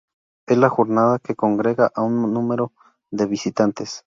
Es la jornada que congrega a un mayor número de visitantes.